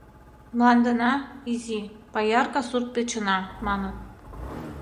Мландына — изи, паярка сурт-печына, маныт.